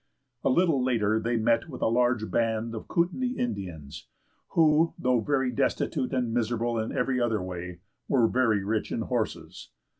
A little later they met with a large band of Kootanie Indians, who, though very destitute and miserable in every other way, were very rich in horses.